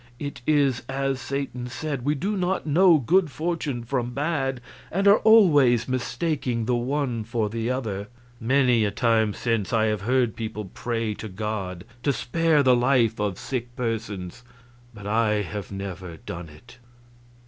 It is as Satan said, we do not know good fortune from bad, and are always mistaking the one for the other. Many a time since I have heard people pray to God to spare the life of sick persons, but I have never done it.